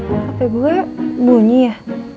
hape gua bunyi ya